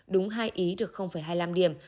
đúng hai ý được hai mươi năm điểm